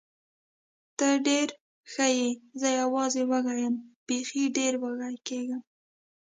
ته ډېره ښه یې، زه یوازې وږې یم، بېخي ډېره وږې کېږم.